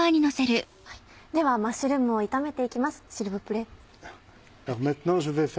ではマッシュルームを炒めて行きますシルヴプレ。